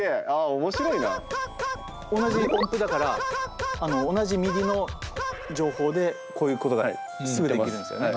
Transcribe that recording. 同じ音符だから同じＭＩＤＩの情報でこういうことがすぐできるんですよね。